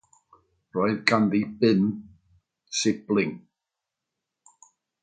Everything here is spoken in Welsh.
Roedd ganddi bum sibling.